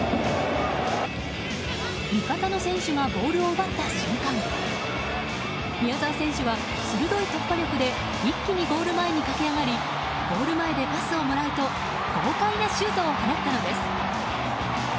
味方の選手がボールを奪った瞬間宮澤選手は鋭い突破力で一気にゴール前に駆け上がりゴール前でパスをもらうと豪快なシュートを放ったのです。